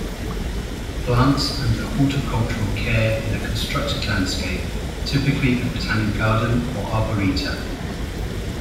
Plants under horticultural care in a constructed landscape, typically a botanic garden or arboreta.